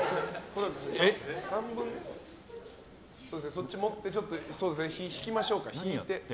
そっち持って引きましょうか。